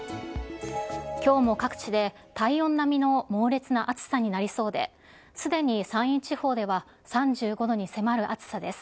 きょうも各地で体温並みの猛烈な暑さになりそうで、すでに山陰地方では、３５度に迫る暑さです。